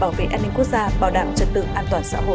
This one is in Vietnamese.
bảo vệ an ninh quốc gia bảo đảm trật tự an toàn xã hội